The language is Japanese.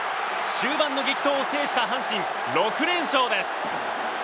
終盤の激闘を制した阪神６連勝です。